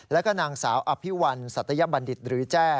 แล้วก็นางสาวอภิวัลสัตยบัณฑิตหรือแจ้